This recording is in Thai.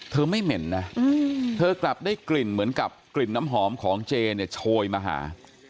ไม่เหม็นนะเธอกลับได้กลิ่นเหมือนกับกลิ่นน้ำหอมของเจเนี่ยโชยมาหา